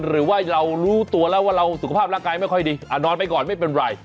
หรือว่าเรารู้ตัวแล้วว่าเราสุขภาพร่างกายไม่ค่อยดีนอนไปก่อนไม่เป็นไร